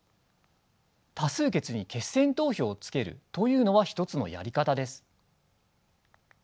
多数決に決選投票を付けるというのは一つのやり方です。